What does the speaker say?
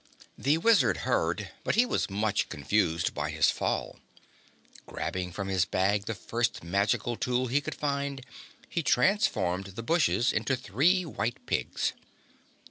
The Wizard heard, but he was much confused by his fall. Grabbing from his bag the first magical tool he could find he transformed the bushes into three white pigs.